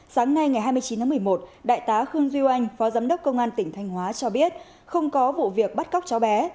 sáng nay ngày hai mươi chín tháng một mươi một đại tá khương duy anh phó giám đốc công an tỉnh thanh hóa cho biết không có vụ việc bắt cóc cháu bé